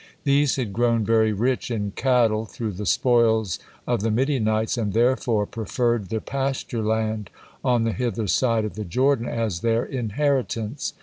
These had grown very rich in cattle through the spoils of the Midianites, and therefore preferred the pasture land on the hither side of the Jordan as their inheritance.